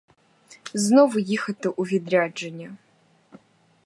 Знову їхати у відрядження.